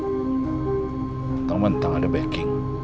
teman teman tak ada backing